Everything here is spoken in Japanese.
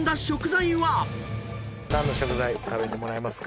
何の食材食べてもらいますか？